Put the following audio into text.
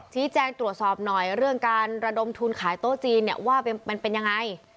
ชี้แจงตรวจสอบหน่อยเรื่องการระดมทุนขายโต๊ะจีนเนี่ยว่ามันเป็นยังไง